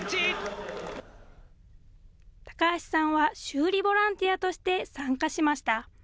高橋さんは修理ボランティアとして参加しました。